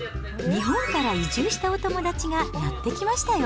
日本から移住したお友達がやって来ましたよ。